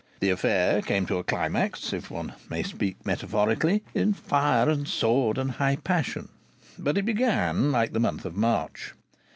The affair came to a climax, if one may speak metaphorically, in fire and sword and high passion, but it began like the month of March.